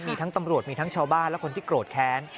มีทั้งตำรวจมีทั้งชาวบ้านและคนที่โกรธแค้น